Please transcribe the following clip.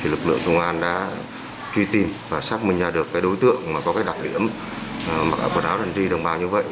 lực lượng công an đã truy tìm và xác minh ra được đối tượng có đặc điểm mặc quần áo đàn ri đồng bào như vậy